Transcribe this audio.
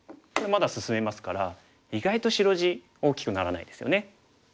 まだ進めますから意外と白地大きくならないですよね。